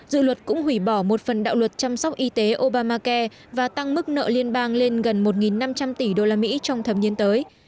dự luật cũng hủy bỏ một phần đạo luật chăm sóc y tế obamacare và tăng mức nợ liên bang lên gần một năm trăm linh tỷ đô la mỹ trong thầm nhiên tới